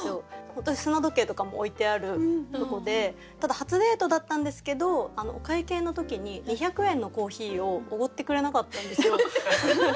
本当に砂時計とかも置いてあるとこでただ初デートだったんですけどお会計の時に２００円のコーヒーをおごってくれなかったんですよ。